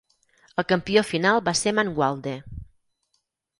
El campió final va ser Mangualde.